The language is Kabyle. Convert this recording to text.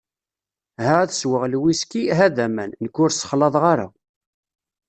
Ha ad sweɣ lwhisky, ha d aman, nekk ur ssexlaḍeɣ ara.